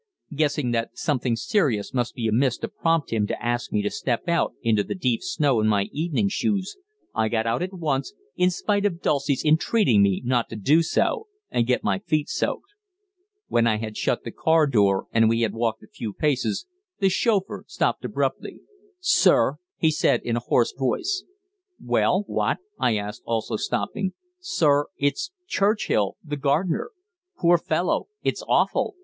Guessing that something serious must be amiss to prompt him to ask me to step out into the deep snow in my evening shoes, I got out at once, in spite of Dulcie's entreating me not to do so and get my feet soaked. When I had shut the car door, and we had walked a few paces, the chauffeur stopped abruptly. "Sir," he said in a hoarse voice. "Well, what?" I asked, also stopping. "Sir it's Churchill, the gardener. Poor fellow! It's awful!